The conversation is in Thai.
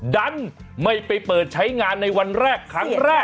ดันไม่ไปเปิดใช้งานในวันแรกครั้งแรก